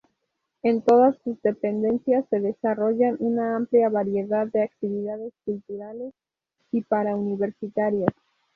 En todas sus dependencias se desarrollan una amplia variedad de actividades culturales y para-universitarias.